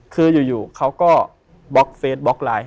คืออยู่เขาก็บล็อกเฟสบล็อกไลน์